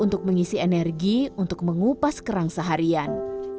untuk mengisi energi untuk mengupas kerang seharian